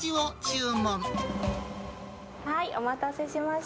お待たせしました。